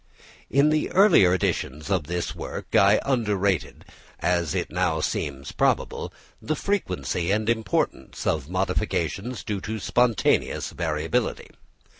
In the earlier editions of this work I underrated, as it now seems probable, the frequency and importance of modifications due to spontaneous variability.